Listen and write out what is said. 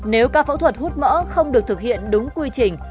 nếu ca phẫu thuật hút mỡ không được thực hiện đúng quy trình